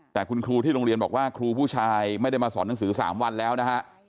แต่คุณครูที่โรงเรียนบอกว่าครูผู้ชายไม่ได้มาสอนหนังสือ๓วันแล้วนะฮะ